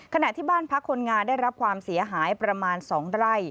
ขณะที่บ้านพักคนงานได้รับความเสียหายประมาณ๒ไร่